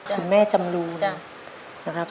คุณแม่จำลูนะครับ